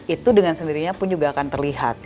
itu dengan sendirinya pun juga akan terlihat